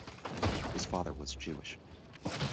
His father was Jewish.